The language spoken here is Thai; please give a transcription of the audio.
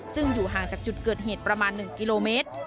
ซึ่งอยู่ห่างจากจุดเกิดเหตุประมาณ๑กิโลเมตร